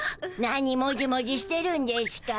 何もじもじしてるんでしゅか。